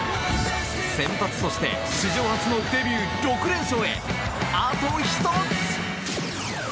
先発として史上初のデビュー６連勝へあと１つ！